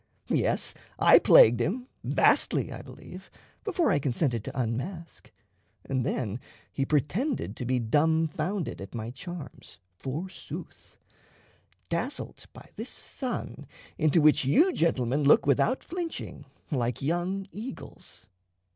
Yes, I plagued him vastly, I believe, before I consented to unmask; and then he pretended to be dumbfounded at my charms, for sooth; dazzled by this sun into which you gentlemen look without flinching, like young eagles."